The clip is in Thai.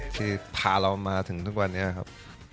ที่พาเรามาถึงทุกวันนี้ครับ